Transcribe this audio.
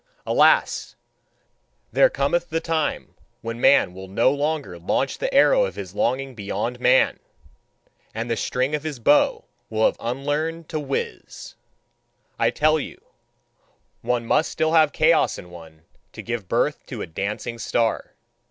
Alas! there cometh the time when man will no longer launch the arrow of his longing beyond man and the string of his bow will have unlearned to whizz! I tell you: one must still have chaos in one, to give birth to a dancing star.